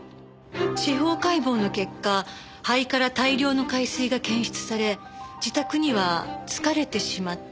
司法解剖の結果肺から大量の海水が検出され自宅には「疲れてしまった。